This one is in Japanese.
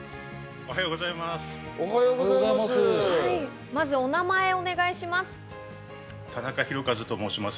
おはようございます。